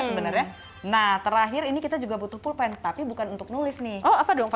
sebenarnya nah terakhir ini kita juga butuh pulpen tapi bukan untuk nulis nih apa dong